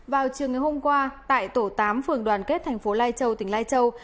vào chiều ngày hôm qua tại tổ tám phường đoàn kết thành phố lai châu tỉnh lai châu